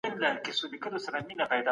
د بل چا په مال تېری مه کوئ.